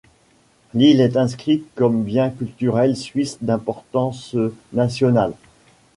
L'île est inscrite comme bien culturel suisse d'importance nationale.